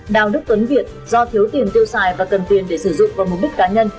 đào đức tuấn việt do thiếu tiền tiêu xài và cần tiền để sử dụng vào mục đích cá nhân